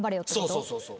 そうそうそうそう。